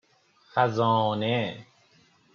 خزانه